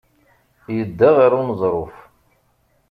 Yedda ɣer uneẓruf.